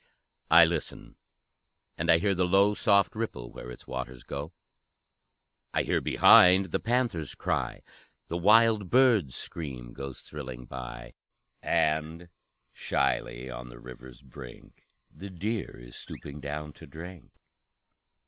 I listen, and I hear the low Soft ripple where its waters go; I hear behind the panther's cry, The wild bird's scream goes thrilling by, And shyly on the river's brink The deer is stooping down to drink.